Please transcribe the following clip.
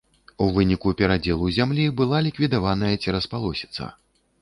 У выніку перадзелу зямлі была ліквідаваная цераспалосіца.